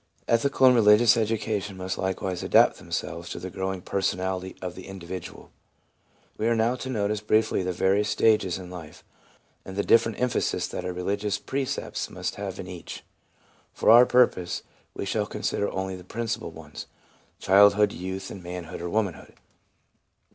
Ethical and religious education must likewise adapt themselves to the growing personality of the individual. We are now to notice briefly the various stages in life, and the different emphasis that our religious precepts must have in each. For our purpose, we shall consider only the principal ones — childhood, youth, and manhood or womanhood.